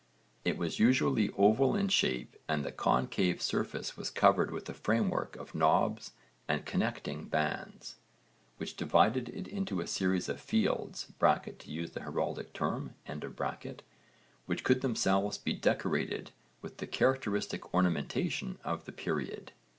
It was usually oval in shape and the concave surface was covered with a framework of knobs and connecting bands, which divided it into a series of 'fields' (to use a heraldic term), which could themselves be decorated with the characteristic ornamentation of the period.